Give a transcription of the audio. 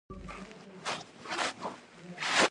باز د پټ ښکار موندونکی دی